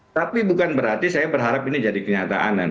tapi bukan berarti saya berharap ini jadi kenyataan